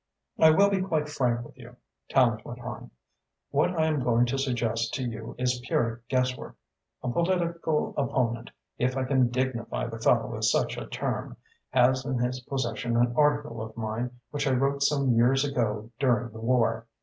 "I will be quite frank with you," Tallente went on. "What I am going to suggest to you is pure guesswork. A political opponent, if I can dignify the fellow with such a term, has in his possession an article of mine which I wrote some years ago, during the war.